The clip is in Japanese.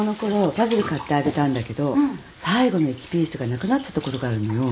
パズル買ってあげたんだけど最後の１ピースがなくなっちゃったことがあるのよ。